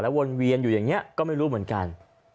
วนเวียนอยู่อย่างนี้ก็ไม่รู้เหมือนกัน